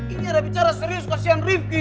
ini ada bicara serius kasihan rifki